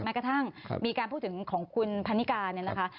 แม้กระทั่งมีการพูดถึงของคุณพันนิกาเนี่ยนะคะ